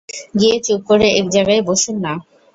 গিয়ে চুপ করে এক জায়গায় বসুন না?